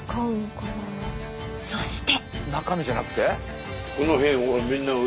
そして。